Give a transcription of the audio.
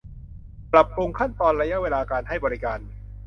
ปรับปรุงขั้นตอนระยะเวลาการให้บริการ